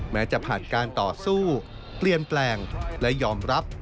จะผ่านการต่อสู้เปลี่ยนแปลงและยอมรับ